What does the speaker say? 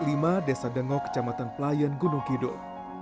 di rumah desa dengok kecamatan pelayan gunung kidul